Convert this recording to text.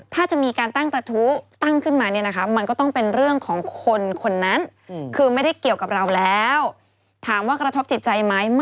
ถ้าจะมีการตั้งประทูตั้งขึ้นมาเนี่ยนะคะ